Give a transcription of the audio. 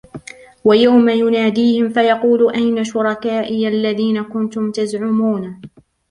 وَيَوْمَ يُنَادِيهِمْ فَيَقُولُ أَيْنَ شُرَكَائِيَ الَّذِينَ كُنْتُمْ تَزْعُمُونَ